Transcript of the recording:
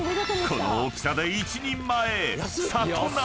［この大きさで１人前］